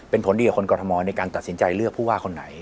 เป็นผลดีกับคนกรทมในการตัดสินใจเลือกผู้ว่าคนไหน